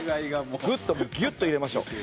グッとギュッと入れましょう。